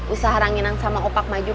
usaha ranginan sama opak maju